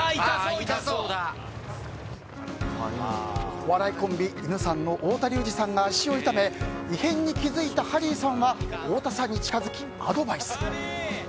お笑いコンビ、いぬさんの太田隆司さんが足を痛め異変に気付いたハリーさんは太田さんに近づき、アドバイス。